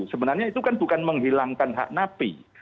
sebenarnya itu kan bukan menghilangkan hak napi